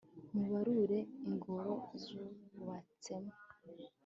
mubarure ingoro zubatsemo